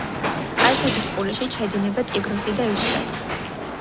სპარსეთის ყურეში ჩაედინება ტიგროსი და ევფრატი.